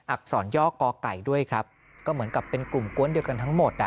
อักษรย่อกอไก่ด้วยครับก็เหมือนกับเป็นกลุ่มกวนเดียวกันทั้งหมดอ่ะ